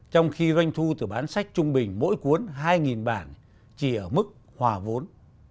trong khi doanh thu từ bán sách trung bình mỗi cuốn hai bản chỉ ở mức hòa vốn